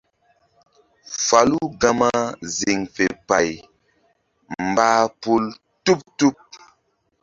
Falu gama ziŋ fe pay mbah pum tuɓ-tuɓ.